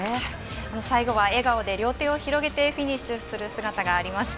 最後は笑顔で両手を広げてフィニッシュする姿がありました。